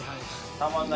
たまんない。